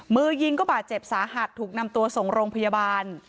มือยิงก็บาดเจ็บสาหัสถูกนำตัวส่งโรงพยาบาล